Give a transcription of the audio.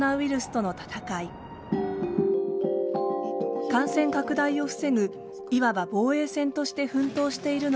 感染拡大を防ぐいわば防衛線として奮闘しているのが保健所です。